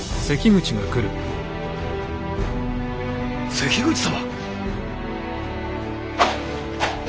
関口様！